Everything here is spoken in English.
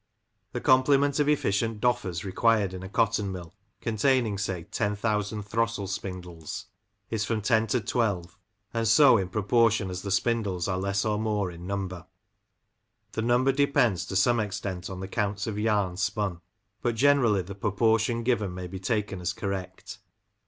The complement of efficient Doffers required in a cotton mill, containing, say, ten thousand throstle spindles, is frOm ten to twelve ; and so in proportion as the spindles are less or more in number. The number depends to some extent on the counts of yarn spun ; but generally the proportion given may be taken as correct.